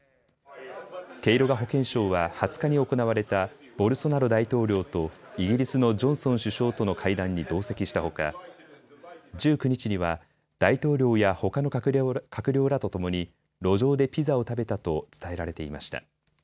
ケイロガ保健相は２０日に行われたボルソナロ大統領とイギリスのジョンソン首相との会談に同席したほか１９日には大統領やほかの閣僚らとともに路上でピザを食べたと伝えられていました。